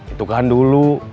itu kan dulu